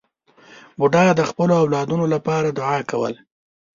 بوډا د خپلو اولادونو لپاره دعا کوله.